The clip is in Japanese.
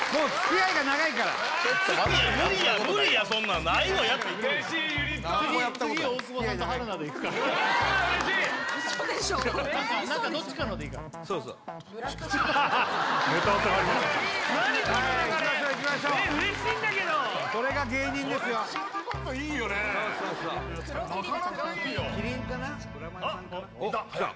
あっいけた